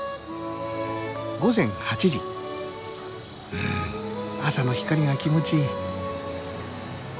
うん朝の光が気持ちいい。